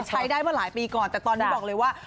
ใช้ได้มาหลายปีก่อนแต่ตอนนี้บอกเลยว่า